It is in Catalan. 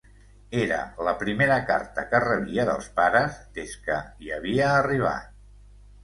Era la primera carta que rebia dels pares des que hi havia arribat.